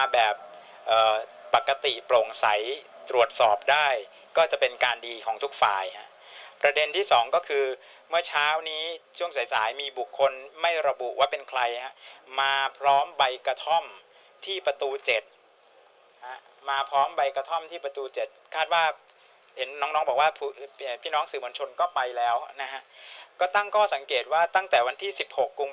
แบบปกติโปร่งใสตรวจสอบได้ก็จะเป็นการดีของทุกฝ่ายประเด็นที่สองก็คือเมื่อเช้านี้ช่วงสายสายมีบุคคลไม่ระบุว่าเป็นใครฮะมาพร้อมใบกระท่อมที่ประตู๗มาพร้อมใบกระท่อมที่ประตู๗คาดว่าเห็นน้องน้องบอกว่าพี่น้องสื่อมวลชนก็ไปแล้วนะฮะก็ตั้งข้อสังเกตว่าตั้งแต่วันที่๑๖กุม